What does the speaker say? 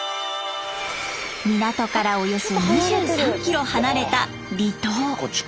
港からおよそ２３キロ離れた離島。